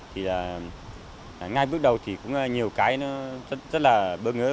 thì là ngay bước đầu thì cũng nhiều cái nó rất là bất ngờ